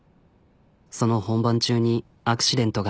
その本番中にアクシデントが。